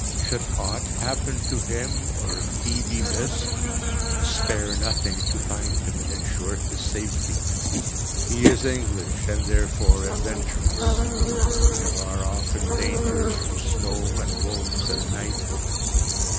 Should aught happen to him, or if he be missed, spare nothing to find him and ensure his safety. He is English and therefore adventurous. There are often dangers from snow and wolves and night.